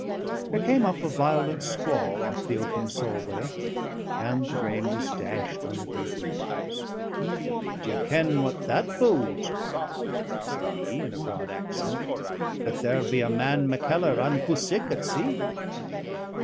There came up a violent squall off the open Solway, and the rain was dashed on the great windows. "Do ye ken what that bodes, warlock?" said he, in a broad accent: "that there'll be a man Mackellar unco sick at sea."